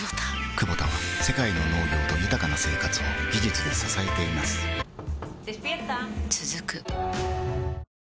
クボタは世界の農業と豊かな生活を技術で支えています起きて。